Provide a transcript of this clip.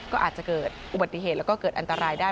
ก็อาจจะเกิดอุบัติเหตุแล้วก็เกิดอันตรายได้